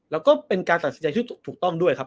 แล้วก็เป็นการตัดสินใจที่ถูกต้องด้วยครับ